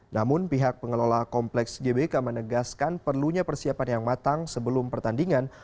namun pihak pengelola kompleks gbk menegaskan perlunya persiapan yang matang sebelum pertandingan